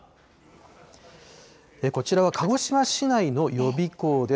こちらは鹿児島市内の予備校です。